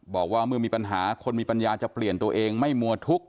บอกว่าเมื่อมีปัญหาคนมีปัญญาจะเปลี่ยนตัวเองไม่มัวทุกข์